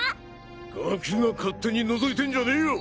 ガキが勝手に覗いてんじゃねぇよ！